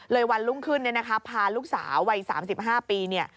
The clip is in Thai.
เลยวันรุ่งขึ้นพาลูกสาววัย๓๕ปี